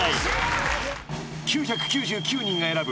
［９９９人が選ぶ